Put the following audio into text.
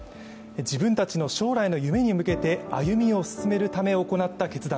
自分たちの将来の夢に向けて歩みを進めるため行った決断。